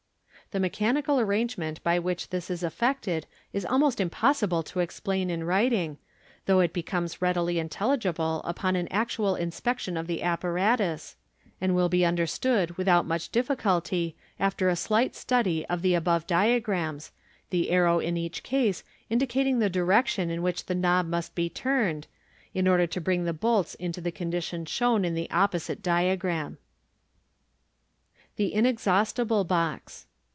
The mechanical ar rangement by which this is effected is almost impos sible to explain m writing, though it becomes readily intelligible upon an actual inspection of the apparatus, and will be understood without much difficulty after a slight study of the above diagrams, the arrow in each case indicating the direction in which the knob must be turned, in order to bring the b^lts into the condition shown in the opposite diagram. Fig. 224. Fig, 22^. The Inexhaustible Box.